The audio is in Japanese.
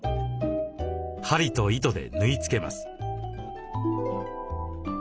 針と糸で縫い付けます。